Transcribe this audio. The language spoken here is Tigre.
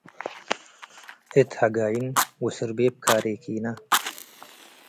እት ሀጋይን ወሰርቤብ ካሬኪነ